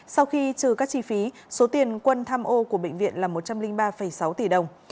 sau khi trừ các chi phí số tiền quân tham ô của bệnh viện là một trăm linh ba sáu tỷ đồng